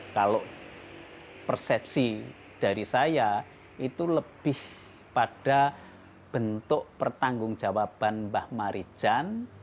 kalau persepsi dari saya itu lebih pada bentuk pertanggungjawaban bah marijan